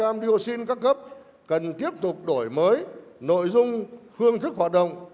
nạn nhân chất độc da cam diocene các cấp cần tiếp tục đổi mới nội dung phương thức hoạt động